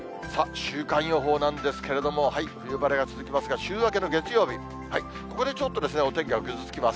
週間予報なんですけれども、冬晴れが続きますが、週明けの月曜日、ここでちょっとお天気がぐずつきます。